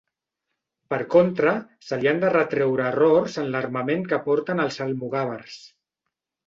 Per contra, se li han de retreure errors en l'armament que porten els almogàvers.